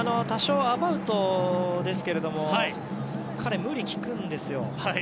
多少アバウトですけれども彼、無理がきくんですよ。